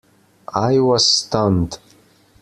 I was stunned.